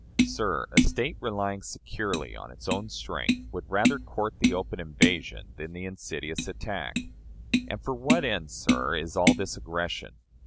Sir, a State relying securely on its own strength would rather court the open invasion than the insidious attack. And for what end, sir, is all this aggression?